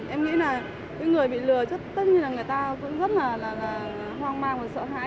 em nghĩ là những người bị lừa chất tất nhiên là người ta cũng rất là hoang mang và sợ hãi